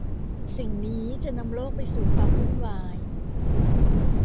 สิ่งนี้จะนำโลกไปสู่ความวุ่นวาย